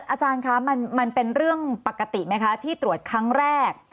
อาจารย์คะมันเป็นเรื่องปกติไหมคะที่ตรวจครั้งแรก